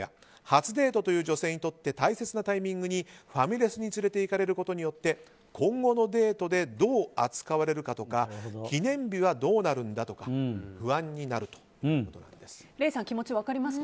初デートという女性にとって大切なタイミングにファミレスに連れていかれることによって今後のデートでどう扱われるかとか記念日はどうなるんだとか不安になるということなんです。